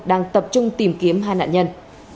đang tập trung tìm kiếm hai nạn nhân